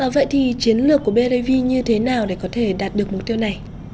vậy thì chiến lược của bidv như thế nào để có thể đạt được mục tiêu này